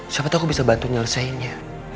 siapa tahu aku bisa bantu nyelesainya